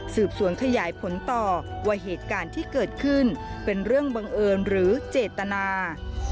สืบสวนขยายผลต่อว่าเหตุการณ์ที่เกิดขึ้นเป็นเรื่องบังเอิญหรือเจตนา